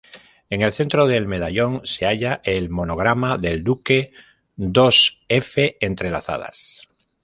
En el centro del medallón se halla el monograma del duque, dos "F" entrelazadas.